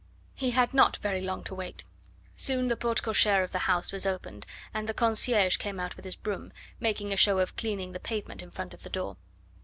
He had not very long to wait. Soon the porte cochere of the house was opened, and the concierge came out with his broom, making a show of cleaning the pavement in front of the door.